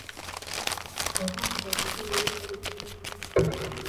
Abahungu babiri muri parike